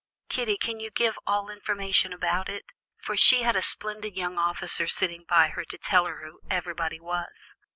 Kitty can give you all information about it, for she had a splendid young officer sitting by her to tell her who everybody was."